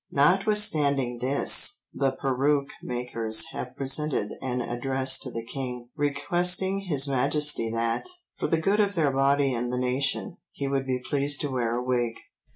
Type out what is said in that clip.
Notwithstanding this, the peruke makers have presented an address to the king, requesting His Majesty that, for the good of their body and the nation, he would be pleased to wear a wig."